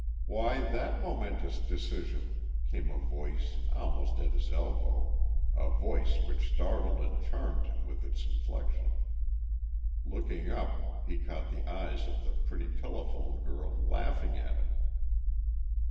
"Why that momentous decision?" came a voice almost at his elbow, a voice which startled and charmed him with its inflection. Looking up, he caught the eyes of the pretty telephone girl, laughing at him.